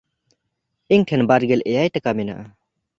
ᱤᱧ ᱴᱷᱮᱱ ᱵᱟᱨᱜᱮᱞ ᱮᱭᱟᱭ ᱴᱟᱠᱟ ᱢᱮᱱᱟᱜᱼᱟ᱾